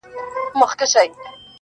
چي یې ستا آواز تر غوږ وي رسېدلی٫